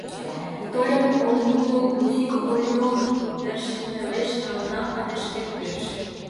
Тольык ом умыло, Глухих Ольош верч нелеш налынам але шкем верч?